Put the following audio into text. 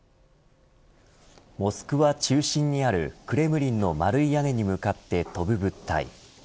モスクワ中心にあるクレムリンの丸い屋根に向かって飛ぶ物体。